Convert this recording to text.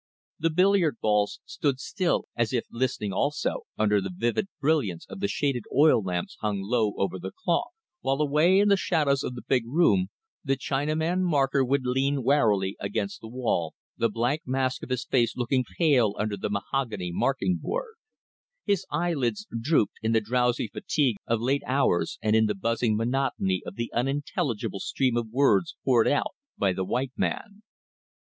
The billiard balls stood still as if listening also, under the vivid brilliance of the shaded oil lamps hung low over the cloth; while away in the shadows of the big room the Chinaman marker would lean wearily against the wall, the blank mask of his face looking pale under the mahogany marking board; his eyelids dropped in the drowsy fatigue of late hours and in the buzzing monotony of the unintelligible stream of words poured out by the white man.